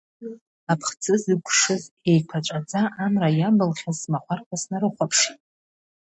Аԥхӡы зықәшыз, еиқәаҵәаӡа амра иабылхьаз смахәарқәа снарыхәаԥшит.